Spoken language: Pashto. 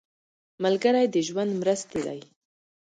ملګری د ژوند مرستې دی